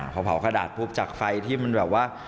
พอเผากระดาษปุ๊บจากไฟที่มันแบบว่า